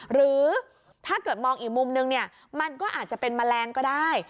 หรือถ้าเกิดมองอีกมุมนึงเนี่ยมันก็อาจจะเป็นแมลงก็ได้